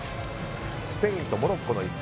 スペインとモロッコの一戦。